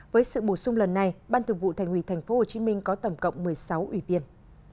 với sự bổ sung lần này ban thường vụ thành ủy tp hcm có tổng cộng một mươi sáu ủy viên